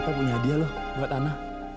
eh papa punya hadiah loh buat ana